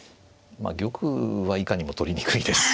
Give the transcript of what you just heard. まあ玉はいかにも取りにくいですし。